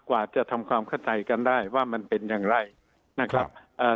กว่าจะทำความเข้าใจกันได้ว่ามันเป็นอย่างไรนะครับเอ่อ